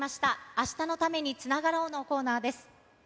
明日のために、つながろうのコーナーです。